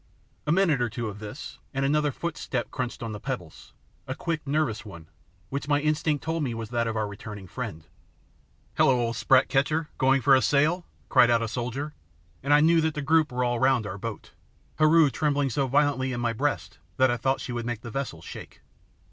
A minute or two of this, and another footstep crunched on the pebbles, a quick, nervous one, which my instinct told me was that of our returning friend. "Hullo old sprat catcher! Going for a sail?" called out a soldier, and I knew that the group were all round our boat, Heru trembling so violently in my breast that I thought she would make the vessel shake.